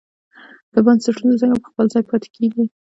دا بنسټونه څنګه په خپل ځای پاتې کېږي.